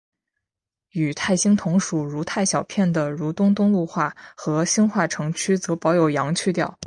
与泰兴同属如泰小片的如东东路话和兴化城区则保留有阳去调。